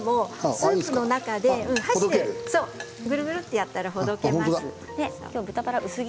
スープの中で、ぐるぐるやったらほどけます。